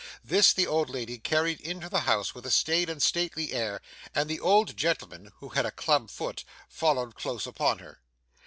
This, the old lady carried into the house with a staid and stately air, and the old gentleman (who had a club foot) followed close upon her.